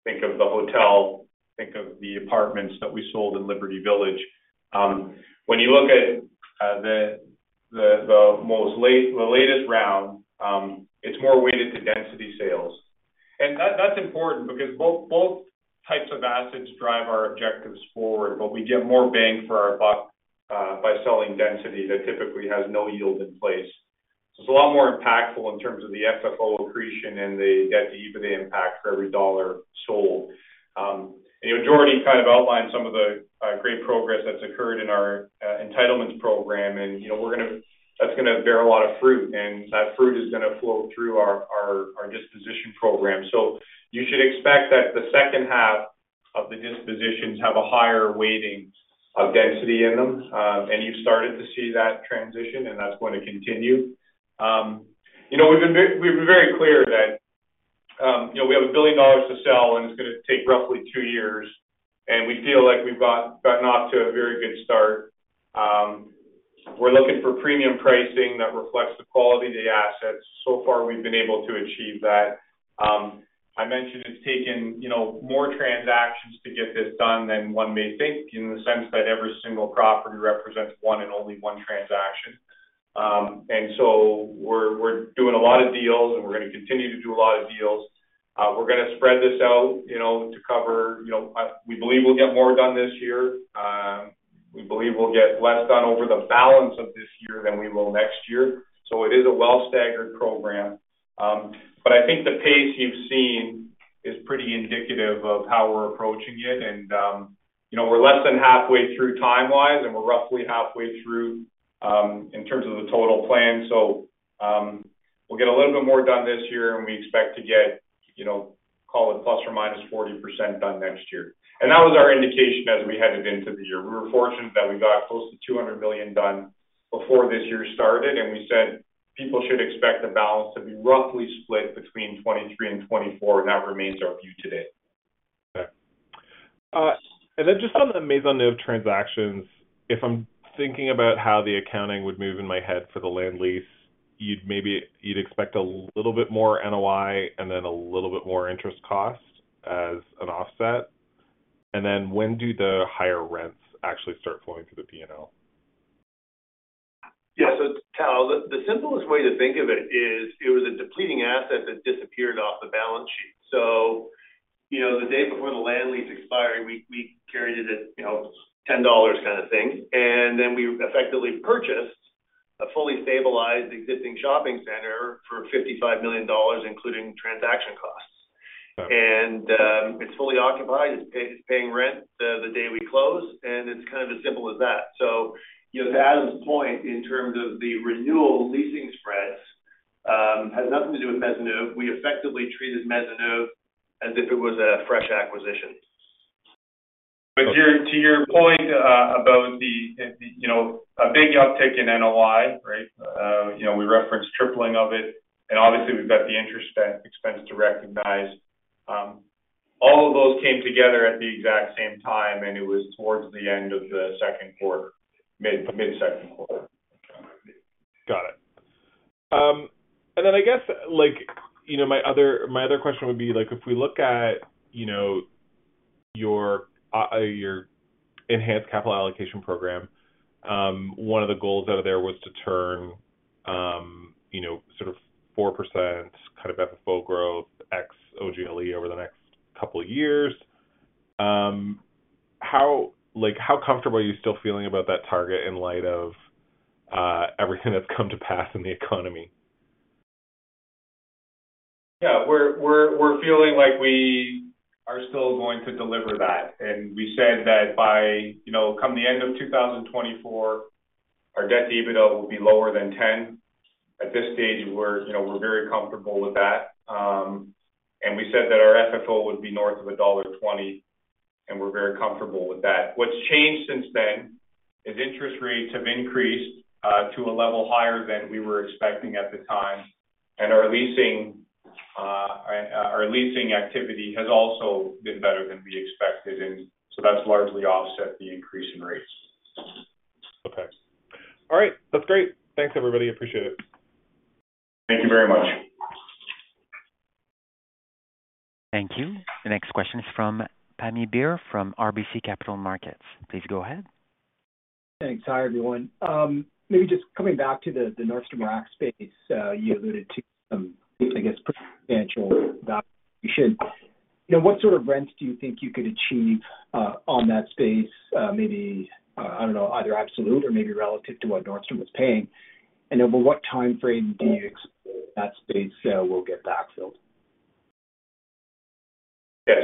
Think of the hotel, think of the apartments that we sold in Liberty Village. When you look at the, the, the latest round, it's more weighted to density sales. That, that's important because both, both types of assets drive our objectives forward, but we get more bang for our buck by selling density that typically has no yield in place. It's a lot more impactful in terms of the FFO accretion and the debt-to-EBITDA impact for every dollar sold. Jordie kind of outlined some of the great progress that's occurred in our entitlements program. You know, we're gonna that's gonna bear a lot of fruit, and that fruit is gonna flow through our, our, our disposition program. You should expect that the second half of the dispositions have a higher weighting of density in them, and you've started to see that transition, and that's going to continue. You know, we've been very clear that, you know, we have 1 billion dollars to sell, and it's gonna take roughly two years, and we feel like we've gotten off to a very good start. We're looking for premium pricing that reflects the quality of the assets. So far, we've been able to achieve that. I mentioned it's taken, you know, more transactions to get this done than one may think, in the sense that every single property represents one and only one transaction. We're, we're doing a lot of deals, and we're going to continue to do a lot of deals. We're gonna spread this out, you know, to cover, you know, we believe we'll get more done this year. We believe we'll get less done over the balance of this year than we will next year, so it is a well-staggered program. I think the pace you've seen is pretty indicative of how we're approaching it. You know, we're less than halfway through time-wise, and we're roughly halfway through, in terms of the total plan. We'll get a little bit more done this year, and we expect to get, you know, call it ±40% done next year. That was our indication as we headed into the year. We were fortunate that we got close to 200 million done before this year started. We said people should expect the balance to be roughly split between 2023 and 2024. That remains our view today. Okay. Just on the Maisonneuve transactions, if I'm thinking about how the accounting would move in my head for the land lease, you'd expect a little bit more NOI and then a little bit more interest cost as an offset? When do the higher rents actually start flowing through the PNL? Yeah. Cal, the simplest way to think of it is, it was a depleting asset that disappeared off the balance sheet. You know, the day before the land lease expired, we carried it at, you know, 10 dollars kind of thing. Then we effectively purchased a fully stabilized existing shopping center for 55 million dollars, including transaction costs. Okay. It's fully occupied. It's paying rent the day we closed, and it's kind of as simple as that. You know, to Adam's point, in terms of the renewal leasing spreads, has nothing to do with Maisonneuve. We effectively treated Maisonneuve as if it was a fresh acquisition. Okay. To your, to your point, about the, the, you know, a big uptick in NOI, right? You know, we referenced tripling of it, and obviously, we've got the interest expense to recognize. All of those came together at the exact same time, and it was towards the end of the Q2, mid, mid-Q2. Got it. Then I guess, like, you know, my other, my other question would be like, if we look at, you know, your, your enhanced capital allocation program, one of the goals out of there was to turn, you know, sort of 4% kind of FFO growth ex OGLE over the next couple of years. Like, how comfortable are you still feeling about that target in light of everything that's come to pass in the economy? Yeah, we're feeling like we are still going to deliver that. We said that by, you know, come the end of 2024, our debt-to-EBITDA will be lower than 10. At this stage, we're, you know, we're very comfortable with that. We said that our FFO would be north of $1.20, and we're very comfortable with that. What's changed since then is interest rates have increased to a level higher than we were expecting at the time, and our leasing activity has also been better than we expected, and so that's largely offset the increase in rates. Okay. All right. That's great. Thanks, everybody. Appreciate it. Thank you very much. Thank you. The next question is from Pammi Bir, from RBC Capital Markets. Please go ahead. Thanks. Hi, everyone. Maybe just coming back to the Nordstrom Rack space. You alluded to some, I guess, pretty substantial valuation. Now, what sort of rents do you think you could achieve on that space? Maybe, I don't know, either absolute or maybe relative to what Nordstrom was paying. Over what time frame do you expect that space will get backfilled? Yeah.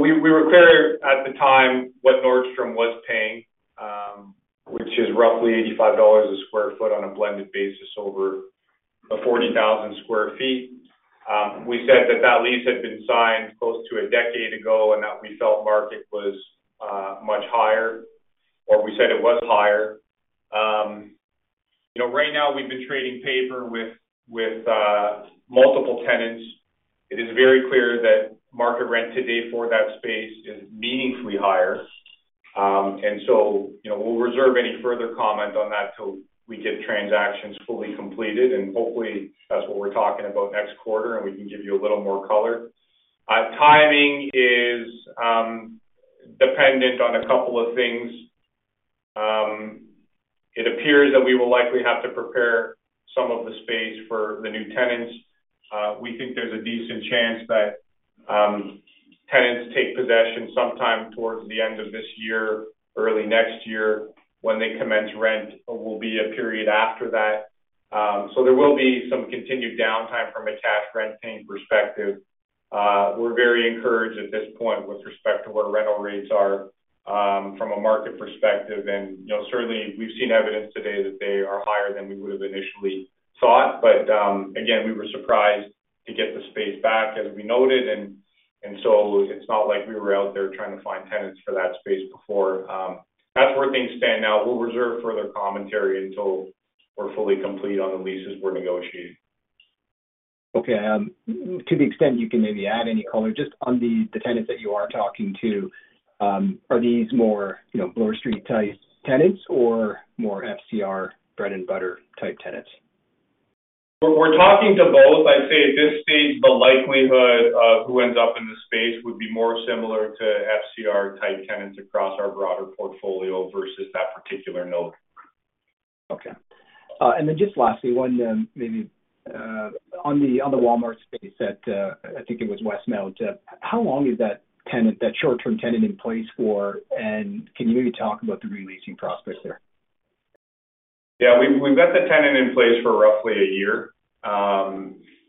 We, we were clear at the time what Nordstrom was paying, which is roughly 85 dollars a square foot on a blended basis over a 40,000 sq ft. We said that that lease had been signed close to a decade ago, and that we felt market was much higher, or we said it was higher. You know, right now we've been trading paper with, with multiple tenants. It is very clear that market rent today for that space is meaningfully higher. You know, we'll reserve any further comment on that till we get transactions fully completed, and hopefully, that's what we're talking about next quarter, and we can give you a little more color. Timing is dependent on a couple of things. It appears that we will likely have to prepare some of the space for the new tenants. We think there's a decent chance that tenants take possession sometime towards the end of this year, early next year. When they commence rent will be a period after that. There will be some continued downtime from a cash rent paying perspective. We're very encouraged at this point with respect to what rental rates are from a market perspective. You know, certainly, we've seen evidence today that they are higher than we would have initially thought. Again, we were surprised to get the space back, as we noted, so it's not like we were out there trying to find tenants for that space before. That's where things stand now. We'll reserve further commentary until we're fully complete on the leases we're negotiating. Okay. To the extent you can maybe add any color, just on the, the tenants that you are talking to, are these more, you know, Bloor Street type tenants or more FCR bread-and-butter type tenants? We're, we're talking to both. I'd say at this stage, the likelihood of who ends up in the space would be more similar to FCR-type tenants across our broader portfolio versus that particular note. Okay. Then just lastly, one, maybe, on the, on the Walmart space at, I think it was Westmount. How long is that tenant, that short-term tenant in place for? Can you maybe talk about the re-leasing prospects there? Yeah, we've, we've got the tenant in place for roughly a year.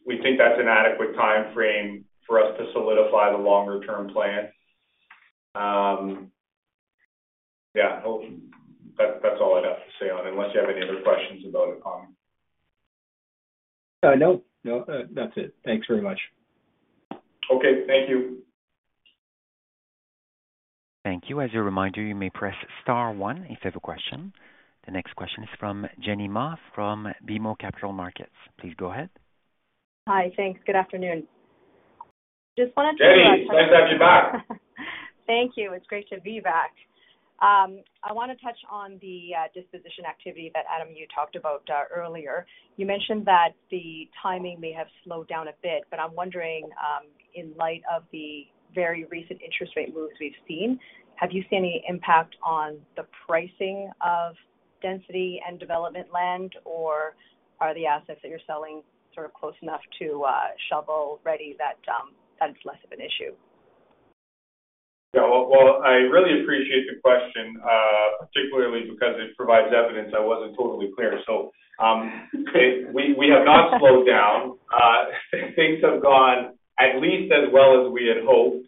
We think that's an adequate time frame for us to solidify the longer-term plan. Yeah, well, that, that's all I'd have to say on it, unless you have any other questions about it, Tom. No. No, that's it. Thanks very much. Okay, thank you. Thank you. As a reminder, you may press star one if you have a question. The next question is from Jenny Ma from BMO Capital Markets. Please go ahead. Hi, thanks. Good afternoon. Just wanted to- Jenny, nice to have you back. Thank you. It's great to be back. I want to touch on the disposition activity that, Adam, you talked about earlier. You mentioned that the timing may have slowed down a bit, but I'm wondering, in light of the very recent interest rate moves we've seen, have you seen any impact on the pricing of density and development land, or are the assets that you're selling sort of close enough to shovel-ready that it's less of an issue? Yeah. Well, I really appreciate the question, particularly because it provides evidence I wasn't totally clear. We have not slowed down. Things have gone at least as well as we had hoped.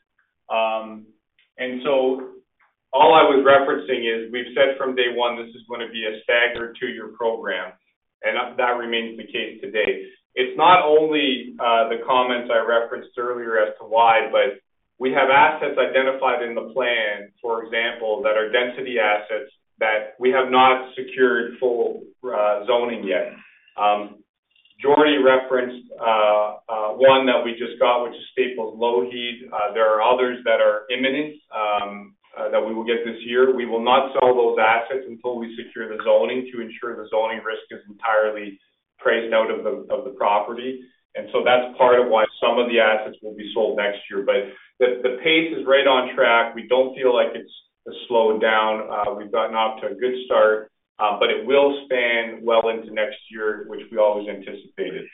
All I was referencing is, we've said from day one, this is going to be a staggered two-year program, and that, that remains the case today. It's not only the comments I referenced earlier as to why, but we have assets identified in the plan, for example, that are density assets that we have not secured full zoning yet. Jordie referenced one that we just got, which is Staples Lougheed. There are others that are imminent, that we will get this year. We will not sell those assets until we secure the zoning, to ensure the zoning risk is entirely priced out of the, of the property. So that's part of why some of the assets will be sold next year. The, the pace is right on track. We don't feel like it's slowed down. We've gotten off to a good start, but it will span well into next year, which we always anticipated.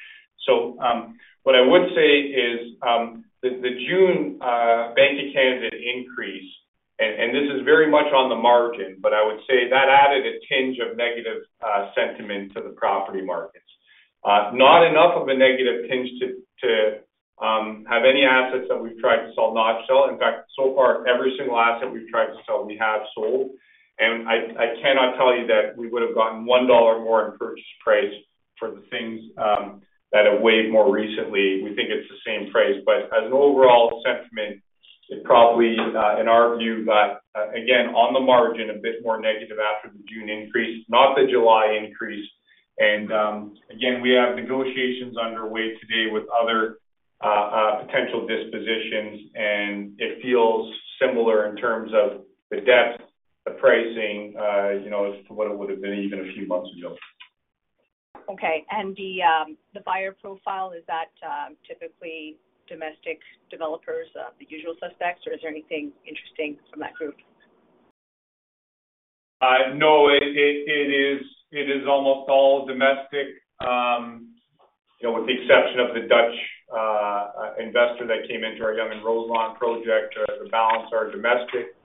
What I would say is, the June Bank of Canada increase, and this is very much on the margin, but I would say that added a tinge of negative sentiment to the property markets. Not enough of a negative tinge to, to have any assets that we've tried to sell, not sell. In fact, so far, every single asset we've tried to sell, we have sold. I, I cannot tell you that we would have gotten $1 more in purchase price for the things that have waived more recently. We think it's the same price. As an overall sentiment, it probably, in our view, got again, on the margin, a bit more negative after the June increase, not the July increase. Again, we have negotiations underway today with other potential dispositions, and it feels similar in terms of the depth, the pricing, you know, as to what it would have been even a few months ago. Okay. The buyer profile, is that typically domestic developers, the usual suspects, or is there anything interesting from that group?... no, it, it, it is, it is almost all domestic. You know, with the exception of the Dutch investor that came into our Yonge and Roselawn project, the balance are domestic.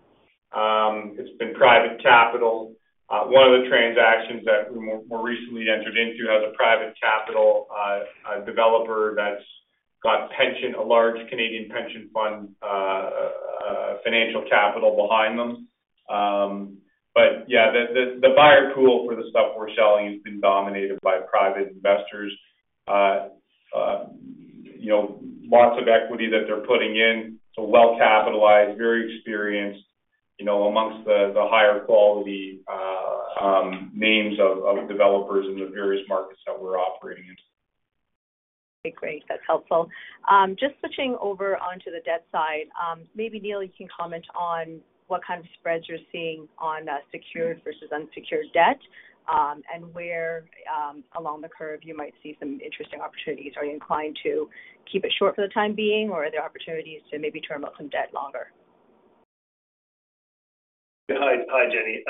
It's been private capital. One of the transactions that we more, more recently entered into has a private capital, a developer that's got pension, a large Canadian pension fund, financial capital behind them. Yeah, the, the, the buyer pool for the stuff we're selling has been dominated by private investors. You know, lots of equity that they're putting in, so well capitalized, very experienced, you know, amongst the, the higher quality names of developers in the various markets that we're operating in. Okay, great. That's helpful. Just switching over onto the debt side, maybe, Neil, you can comment on what kind of spreads you're seeing on secured versus unsecured debt, and where along the curve you might see some interesting opportunities. Are you inclined to keep it short for the time being, or are there opportunities to maybe term out some debt longer? Hi. Hi, Jenny.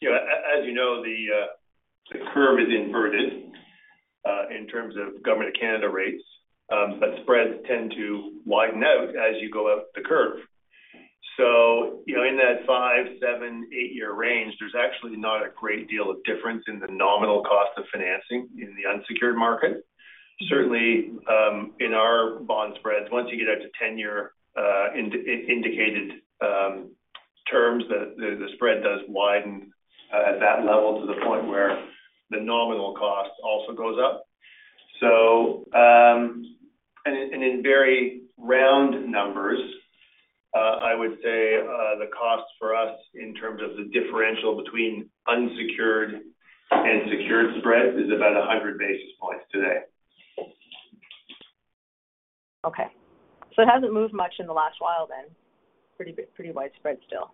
You know, as you know, the curve is inverted in terms of Government of Canada rates, but spreads tend to widen out as you go up the curve. You know, in that five, seven, eight-year range, there's actually not a great deal of difference in the nominal cost of financing in the unsecured market. Certainly, in our bond spreads, once you get out to 10-year indicated terms, the spread does widen at that level to the point where the nominal cost also goes up. And in, and in very round numbers, I would say the cost for us in terms of the differential between unsecured and secured spreads is about 100 basis points today. Okay. It hasn't moved much in the last while then? Pretty, pretty widespread still.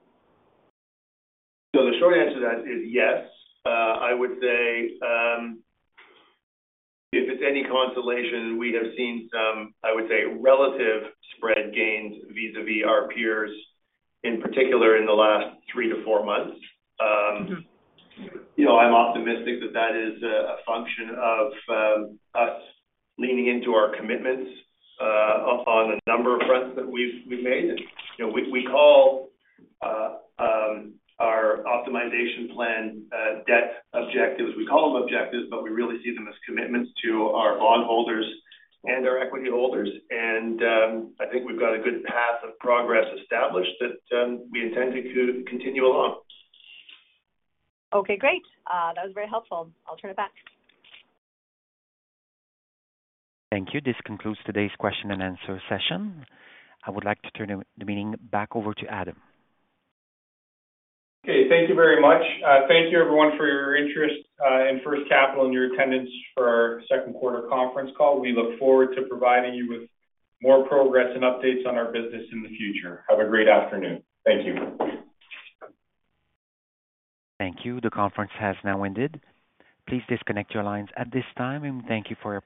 The short answer to that is yes. I would say, if it's any consolation, we have seen some, I would say, relative spread gains vis-a-vis our peers, in particular in the last three to four months. You know, I'm optimistic that that is a, a function of us leaning into our commitments on a number of fronts that we've, we've made. You know, we, we call our optimization plan debt objectives. We call them objectives, but we really see them as commitments to our bondholders and our equity holders. I think we've got a good path of progress established that we intend to, to continue along. Okay, great. That was very helpful. I'll turn it back. Thank you. This concludes today's question and answer session. I would like to turn the meeting back over to Adam. Okay. Thank you very much. Thank you everyone for your interest, in First Capital and your attendance for our Q2 conference call. We look forward to providing you with more progress and updates on our business in the future. Have a great afternoon. Thank you. Thank you. The conference has now ended. Please disconnect your lines at this time. Thank you for your participation.